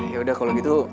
yaudah kalo gitu